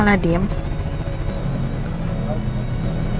lo udah aman